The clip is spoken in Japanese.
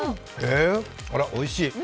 あら、おいしい。